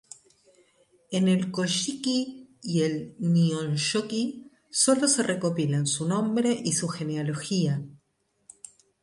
En el "Kojiki" y el "Nihonshoki" sólo se recopilan su nombre y su genealogía.